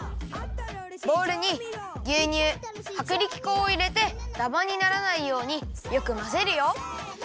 ボウルにぎゅうにゅうはくりき粉をいれてダマにならないようによくまぜるよ。